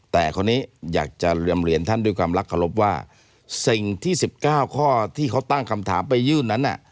แต่คนนี้อยากจะเรียนท่านด้วยความรักขอรบว่าสิ่งที่๑๙ข้อที่เขาตั้งคำถามไปยื่นนั้น